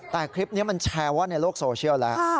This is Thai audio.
แต่คลิปนี้มันแชร์ว่าในโลกโซเชียลแล้ว